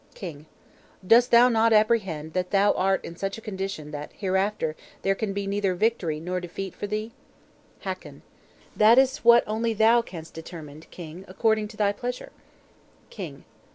King. "'Dost thou not apprehend that thou art in such a condition that, hereafter, there can be neither victory nor defeat for thee?' Hakon. "'That is what only thou canst determine, King, according to thy pleasure.' _King.